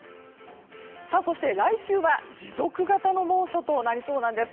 そして、来週は持続型の猛暑となりそうなんです。